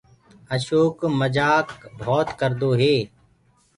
اشوڪ مجآ مجآڪ بهوت ڪردو هي۔